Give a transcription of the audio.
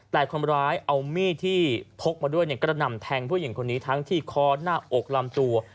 แต่คนร้ายเอามีดที่พกมาด้วยกระหน่ำแทงผู้หญิงคนนี้ทั้งที่คอหน้าอกลำตัว